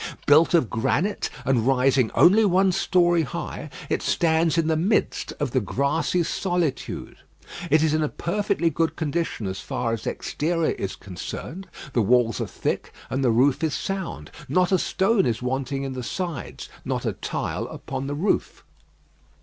Built of granite, and rising only one story high, it stands in the midst of the grassy solitude. It is in a perfectly good condition as far as exterior is concerned; the walls are thick and the roof is sound. Not a stone is wanting in the sides, not a tile upon the roof.